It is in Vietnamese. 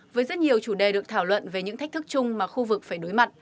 với rất nhiều chủ đề được thảo luận về những thách thức chung mà khu vực phải đối mặt